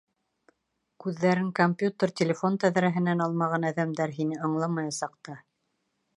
Күҙҙәрен компьютер, телефон тәҙрәһенән алмаған әҙәмдәр һине аңламаясаҡ та.